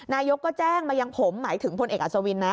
นายกก็แจ้งมายังผมหมายถึงพลเอกอัศวินนะ